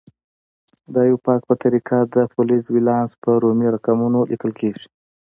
د ایوپاک په طریقه د فلز ولانس په رومي رقمونو لیکل کیږي.